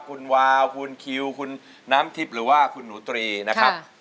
คุณวาวคุณคิวคุณน้ำทิพย์หรือว่าคุณหนูตรีนะครับ